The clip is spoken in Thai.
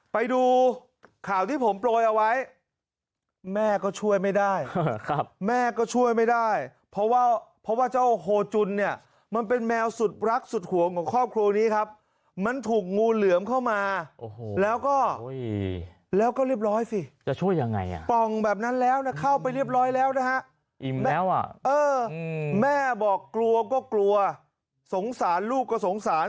ไปดูข่าวที่ผมโปรยเอาไว้แม่ก็ช่วยไม่ได้แม่ก็ช่วยไม่ได้เพราะว่าเพราะว่าเจ้าโฮจุนเนี่ยมันเป็นแมวสุดรักสุดห่วงของครอบครัวนี้ครับมันถูกงูเหลือมเข้ามาโอ้โหแล้วก็เรียบร้อยสิจะช่วยยังไงอ่ะป่องแบบนั้นแล้วนะเข้าไปเรียบร้อยแล้วนะฮะแม่บอกกลัวก็กลัวสงสารลูกก็สงสาร